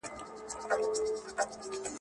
تاسو باید پر خپلو تېروتنو تمرکز وکړئ.